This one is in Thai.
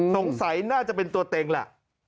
สงสัยน่าจะเป็นตัวเต็งแหละ